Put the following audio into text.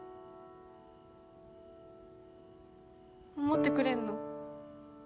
守ってくれんの？